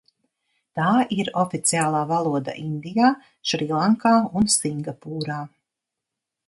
Tā ir oficiālā valoda Indijā, Šrilankā un Singapūrā.